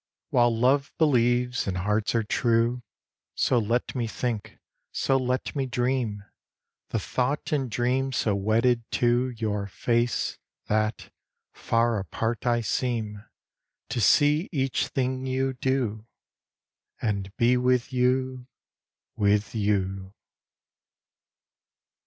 III. While love believes, and hearts are true, So let me think, so let me dream; The thought and dream so wedded to Your face, that, far apart, I seem To see each thing you do, And be with you, with you.